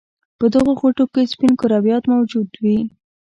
په دغه غوټو کې سپین کرویات موجود دي.